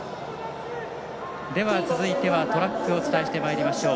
続いてはトラックお伝えしてまいりましょう。